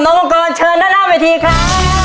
น้องกร้อนเชิญต้อนรับมาทีครับ